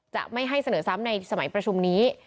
จะไม่ให้เสนอซ้ำในสมัยประชุมนี้